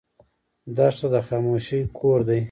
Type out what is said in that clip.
دښته د خاموشۍ کور دی.